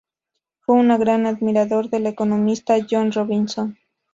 Fue un gran admirador de la economista Joan Robinson.